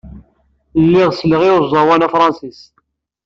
Lliɣ selleɣ i uẓawan afṛensis.